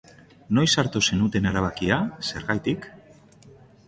Noiz hartu zenuten erabakia, zergatik?